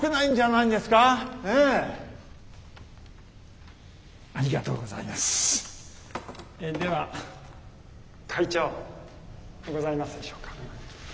えでは会長ございますでしょうか。